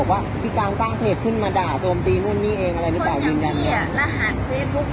แต่ถ้าด่าการมันไม่ว่าถ้าด่าเสกกับลูกเดากรัดแสงลูกก็เสก